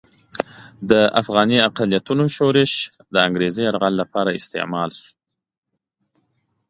د افغاني اقلیتونو شورش د انګریزي یرغل لپاره استعمال شو.